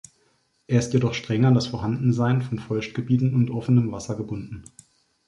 Er ist jedoch streng an das Vorhandensein von Feuchtgebieten und offenem Wasser gebunden.